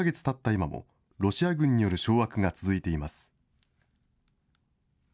今も、ロシア軍による掌握が続いています。